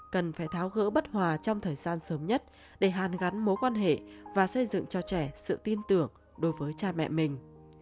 cần phải tháo gỡ bất hòa trong thời gian sớm nhất để hàn gắn mối quan hệ và xây dựng cho trẻ sự tin tưởng đối với cha mẹ mình